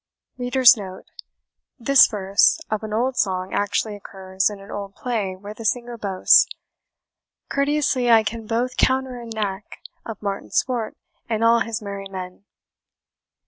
[This verse of an old song actually occurs in an old play where the singer boasts, "Courteously I can both counter and knack Of Martin Swart and all his merry men."